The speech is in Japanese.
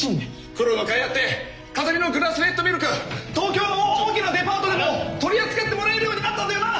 苦労のかいあって風見のグラスフェッドミルク東京の大きなデパートでも取り扱ってもらえるようになったんだよな。